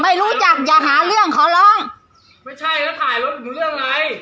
ไม่รู้จักอย่าหาเรื่องขอร้องไม่ใช่แล้วถ่ายรถอยู่เรื่องไง